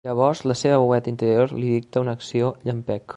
Llavors la seva veueta interior li dicta una acció llampec.